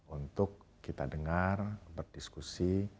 untuk kita dengar berdiskusi